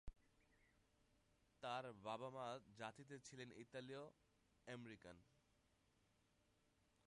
তার মা-বাবা জাতিতে ছিলেন ইতালীয় আমেরিকান।